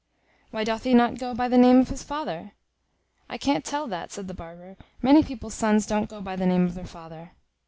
"Why doth he not go by the name of his father?" "I can't tell that," said the barber; "many people's sons don't go by the name of their father."